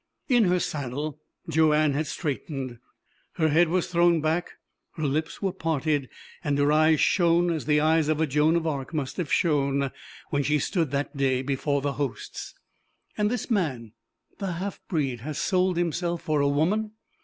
In her saddle Joanne had straightened. Her head was thrown back, her lips were parted, and her eyes shone as the eyes of a Joan of Arc must have shone when she stood that day before the Hosts. "And this man, the half breed, has sold himself for a woman?"